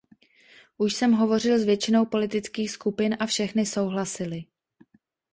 Už jsem hovořil s většinou politických skupin a všechny souhlasily.